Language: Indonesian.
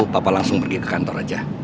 bapak langsung pergi ke kantor aja